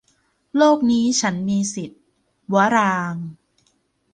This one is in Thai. โลกนี้ฉันมีสิทธิ์ - วรางค์